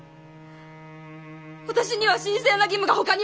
私には神聖な義務がほかにあります。